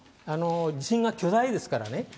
地震が巨大ですからね。